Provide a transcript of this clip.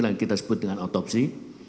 yang kita sebut dengan otopsi